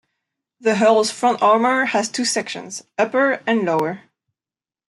The hull's front armour has two sections: upper and lower.